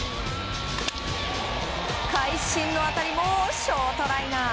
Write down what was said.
会心の当たりもショートライナー。